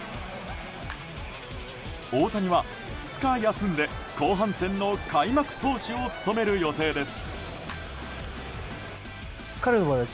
大谷は２日休んで、後半戦の開幕投手を務める予定です。